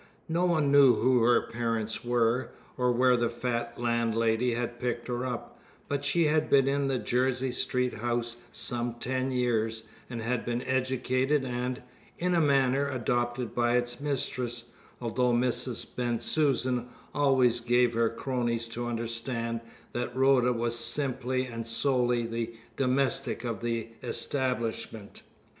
No one knew who her parents were, or where the fat landlady had picked her up; but she had been in the Jersey Street house some ten years, and had been educated and in a manner adopted by its mistress, although Mrs. Bensusan always gave her cronies to understand that Rhoda was simply and solely the domestic of the establishment.